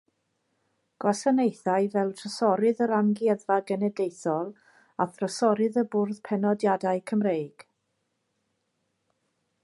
Gwasanaethai fel trysorydd yr Amgueddfa Genedlaethol; a thrysorydd y Bwrdd Penodiadau Cymreig.